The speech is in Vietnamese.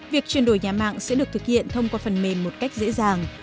việc chuyển đổi nhà mạng sẽ được thực hiện thông qua phần mềm một cách dễ dàng